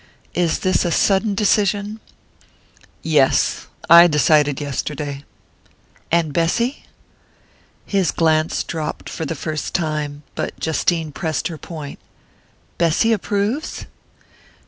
Is this a sudden decision?" "Yes. I decided yesterday." "And Bessy ?" His glance dropped for the first time, but Justine pressed her point. "Bessy approves?"